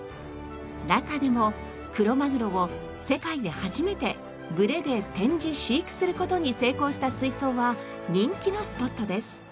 中でもクロマグロを世界で初めて群れで展示飼育する事に成功した水槽は人気のスポットです。